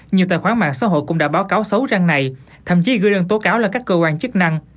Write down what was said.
nhiều tài khoản mạng xã hội cũng đã báo cáo xấu răng này thậm chí gửi đơn tố cáo lên các cơ quan chức năng